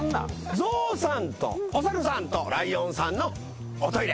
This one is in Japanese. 象さんとお猿さんとライオンさんのおトイレ。